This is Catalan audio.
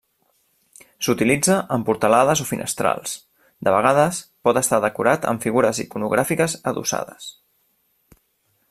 S'utilitza en portalades o finestrals; de vegades pot estar decorat amb figures iconogràfiques adossades.